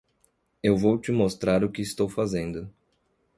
Eu vou te mostrar o que estou fazendo.